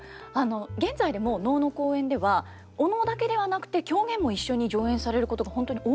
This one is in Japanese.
現在でも能の公演ではお能だけではなくて狂言も一緒に上演されることが本当に多いんですよ。